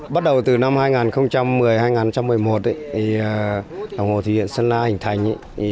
bắt đầu từ năm hai nghìn một mươi hai nghìn một mươi một lòng hồ thủy điện sơn la hình thành